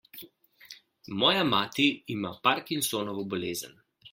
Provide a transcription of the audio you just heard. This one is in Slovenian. Moja mati ima Parkinsonovo bolezen.